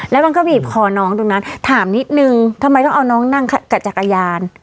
แล้วมันก็บีบคอน้องตรงนั้นถามนิดนึงทำไมต้องเอาน้องนั่งกับจักรยาน